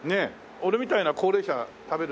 俺みたいな高齢者食べる？